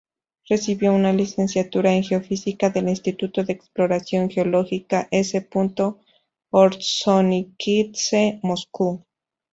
Recibió una licenciatura en geofísica del Instituto de Exploración Geológica S. Ordzhonikidze Moscú.